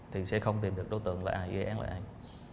thì sẽ không tìm được đối tượng là ai